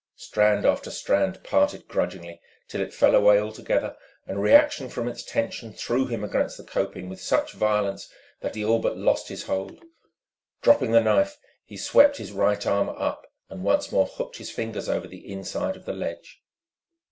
Strand after strand parted grudgingly till it fell away altogether and reaction from its tension threw him against the coping with such violence that he all but lost his hold. Dropping the knife, he swept his right arm up and once more hooked his fingers over the inside of the ledge.